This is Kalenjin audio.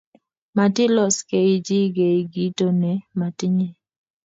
Matiloskeichi gei kito ne metinye